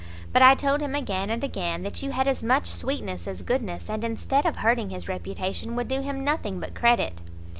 But I told him again and again that you had as much sweetness as goodness, and instead of hurting his reputation, would do him nothing but credit."